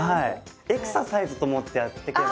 エクササイズと思ってやっていけば。